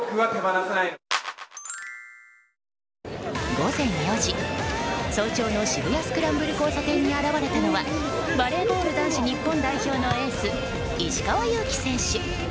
午前４時早朝の渋谷スクランブル交差点に現れたのは、バレーボール男子日本代表のエース石川祐希選手。